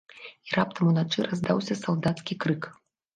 І раптам ўначы раздаўся салдацкі крык.